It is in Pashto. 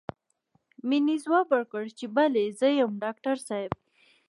مينې ځواب ورکړ چې بلې زه يم ډاکټر صاحب.